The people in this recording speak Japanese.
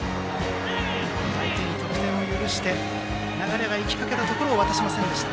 相手に得点を許して流れが行きかけたところを渡しませんでした。